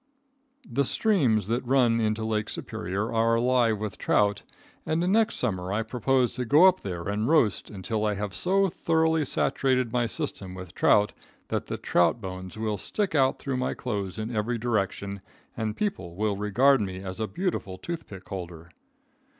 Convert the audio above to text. The streams that run into Lake Superior are alive with trout, and next summer I propose to go up there and roast until I have so thoroughly saturated my system with trout that the trout bones will stick out through my clothes in every direction and people will regard me as a beautiful toothpick holder.